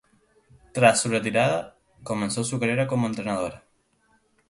Tras su retirada, comenzó su carrera como entrenadora.